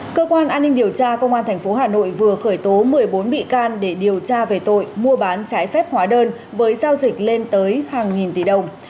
cơ quan an ninh điều tra công an tp hà nội vừa khởi tố một mươi bốn bị can để điều tra về tội mua bán trái phép hóa đơn với giao dịch lên tới hàng nghìn tỷ đồng